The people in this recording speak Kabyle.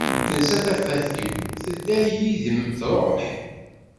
Tensa tafat-iw, tedda yid-m truḥ.